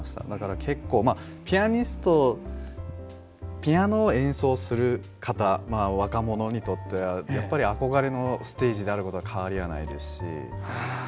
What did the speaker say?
だからピアニストピアノを演奏する方若者にとっては、やっぱり憧れのステージであることには変わりはないですし。